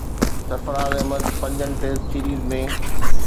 سرفراز احمد پنجن Test series ۾